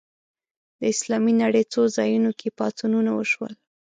د اسلامي نړۍ څو ځایونو کې پاڅونونه وشول